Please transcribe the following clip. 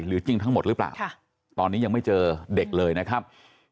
จริงทั้งหมดหรือเปล่าตอนนี้ยังไม่เจอเด็กเลยนะครับ